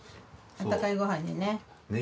温かいご飯にね。